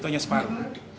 itu hanya separuh